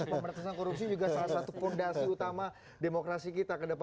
pemerintah korupsi juga salah satu fondasi utama demokrasi kita kedepannya